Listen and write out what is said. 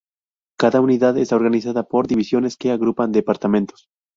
Cada unidad está organizada por "divisiones", que agrupan 'departamentos'.